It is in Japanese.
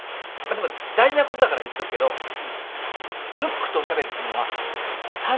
大事なことだから言っとくけどムックとおしゃべりするのは３人のときだけにしよう。